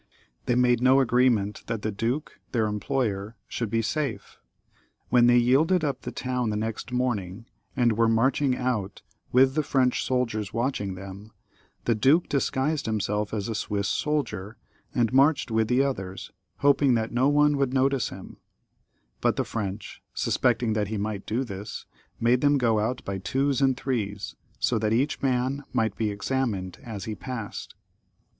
They made no agreement that the duke, their employer, should be safe. When they yielded up the town next morning, and were marching out with the French soldiers watching them, the duke disguised himself as a Swiss soldier and marched with the others, hoping that no one XXXIII.] LOUIS XI L 233 would notice him; but the French, sy^ecting that he might do this, made them go out by twos and threes, so that each man might be examined as he passed.